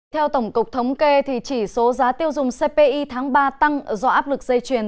theo tổng cục thống kê chỉ số giá tiêu dùng cpi tháng ba tăng do áp lực dây chuyền